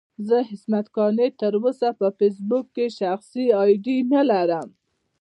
زه عصمت قانع تر اوسه په فېسبوک کې شخصي اې ډي نه لرم.